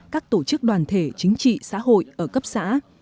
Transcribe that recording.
các tổ chức đoàn thể chính trị xã hội ở cấp xã